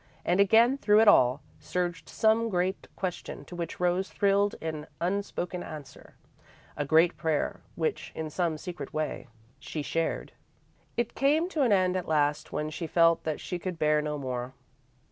And again, through it all, surged some great question to which Rose thrilled in unspoken answer; a great prayer, which, in some secret way, she shared. It came to an end at last when she felt that she could bear no more.